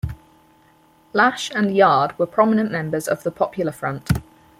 Lash and Yard were prominent members of the Popular Front.